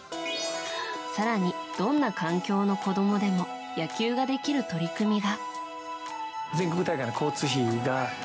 更に、どんな環境の子供でも野球ができる取り組みが。